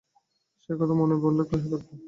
সেই কথা মনে পড়লে সে কাঁদতো।